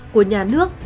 của nhà nước